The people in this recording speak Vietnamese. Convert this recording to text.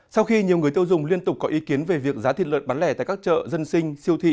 sau khi nhiều người tiêu dùng liên tục có ý kiến về việc giá thịt lợn bán lẻ tại các chợ dân sinh siêu thị